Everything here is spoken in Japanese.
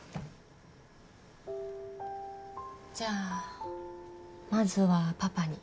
じゃあまずはパパに。